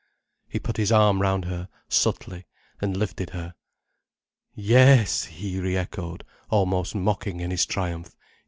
He put his arm round her, subtly, and lifted her. "Yes," he re echoed, almost mocking in his triumph.